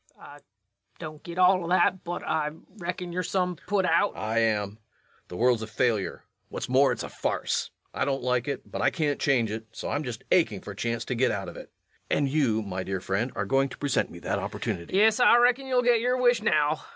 LUKE. I don't git all of that, but I reckon you're some put out. REVENUE. I am. The world's a failure ... what's more, it's a farce. I don't like it but I can't change it, so I'm just aching for a chance to get out of it.... [Approaching LUKE.] And you, my dear friend, are going to present me the opportunity. LUKE. Yes, I reckon you'll get your wish now.